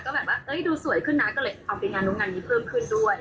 ก็แบบว่าดูสวยขึ้นนะก็เลยเอาไปงานนู้นงานนี้เพิ่มขึ้นด้วย